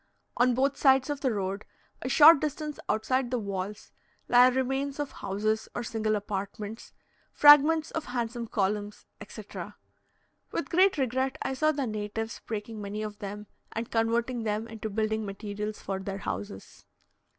On both sides of the road, a short distance outside the walls, lie remains of houses or single apartments, fragments of handsome columns, etc. With great regret I saw the natives breaking many of them, and converting them into building materials for their houses.